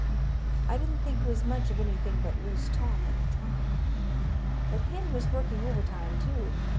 I didn't think it was much of anything but loose talk at the time. But Hen was working overtime too.